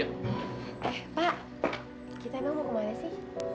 pak kita kan mau ke mana sih